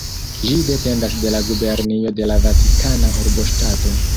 Ĝi dependas de la gubernio de la Vatikana Urboŝtato.